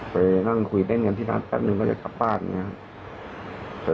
ไปนั่งคุยเต้นกันที่บ้านแป๊บนึงก็จะกลับบ้านอย่างนี้